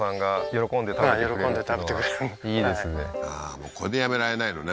もうこれでやめられないのね